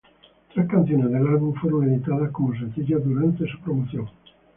Tres canciones del álbum fueron editadas como sencillos durante su promoción.